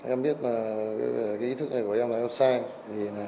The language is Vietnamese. em biết là cái ý thức này của em là em sang